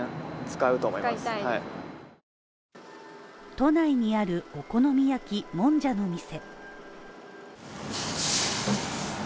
都内にあるお好み焼き、もんじゃの店